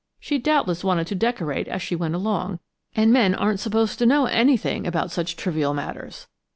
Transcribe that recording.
She doubtless wanted to decorate as she went along, and men aren't supposed to know anything about such trivial matters!